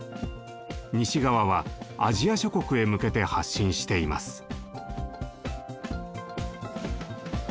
西側はアジア諸国へ向けて発信しています。